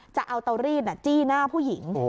จะเอาเตารีดจี้หน้าผู้หญิง